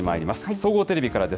総合テレビからです。